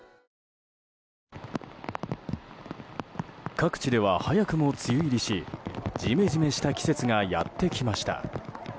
各地では、早くも梅雨入りしじめじめした季節がやってきました。